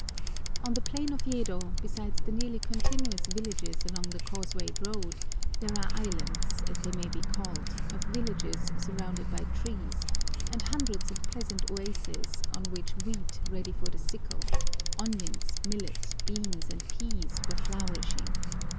On the plain of Yedo, besides the nearly continuous villages along the causewayed road, there are islands, as they may be called, of villages surrounded by trees, and hundreds of pleasant oases on which wheat ready for the sickle, onions, millet, beans, and peas, were flourishing.